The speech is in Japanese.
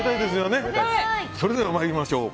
それでは参りましょう。